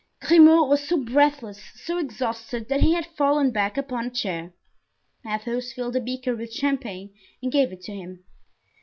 Grimaud was so breathless, so exhausted, that he had fallen back upon a chair. Athos filled a beaker with champagne and gave it to him.